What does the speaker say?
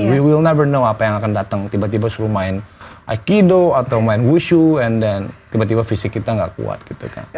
we will net bernow apa yang akan datang tiba tiba suruh main aikido atau main wushu and then tiba tiba fisik kita gak kuat gitu kan